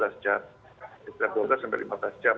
dua belas sampai lima belas jam